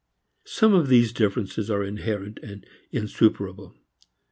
Some of these differences are inherent and insuperable.